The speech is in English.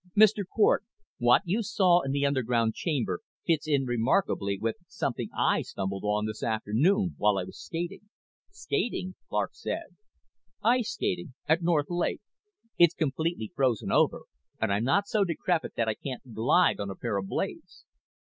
Mr. Cort, what you saw in the underground chamber fits in remarkably with something I stumbled on this afternoon while I was skating." "Skating?" Clark said. "Ice skating. At North Lake. It's completely frozen over and I'm not so decrepit that I can't glide on a pair of blades.